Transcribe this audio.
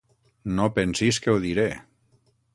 No pensis que ho diré!